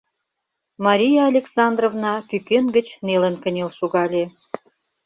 Мария Александровна пӱкен гыч нелын кынел шогале.